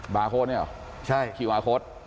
บาโค้ดเนี่ยหรอคิวาโค้ด